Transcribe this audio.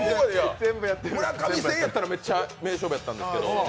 村上戦やったら、めっちゃ名勝負やったんですけど。